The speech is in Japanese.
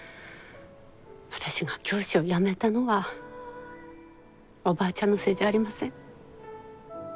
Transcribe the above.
私が教師を辞めたのはおばあちゃんのせいじゃありません。